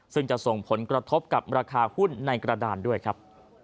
ซึ่งจะส่งผลกระทบกับราคาหุ้นในกระดานด้วยครับ